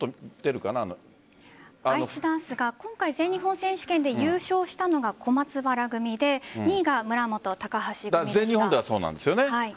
アイスダンスが今回全日本選手権で優勝したのが小松原組で２位が村元・高橋組でした。